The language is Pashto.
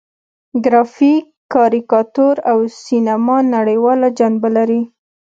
ګرافیک، کاریکاتور او سینما نړیواله جنبه لري.